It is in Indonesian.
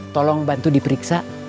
tolong bantu diperiksa